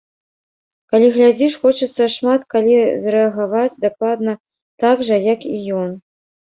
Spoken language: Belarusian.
Калі глядзіш, хочацца шмат калі зрэагаваць дакладна так жа, як і ён!